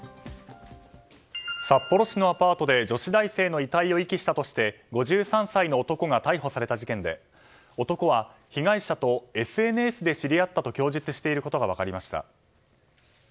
札幌市のアパートで女子大生の遺体を遺棄したとして５３歳の男が逮捕された事件で男は被害者とＳＮＳで知り合ったと供述していることが分かりました。